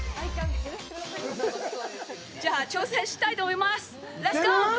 じゃあ、挑戦したいと思います！